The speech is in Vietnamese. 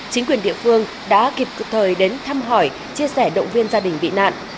chính quyền địa phương đã kịp thời đến thăm hỏi chia sẻ động viên gia đình bị nạn